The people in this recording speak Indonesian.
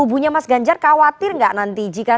punya mas ganjar kawatir gak nanti jika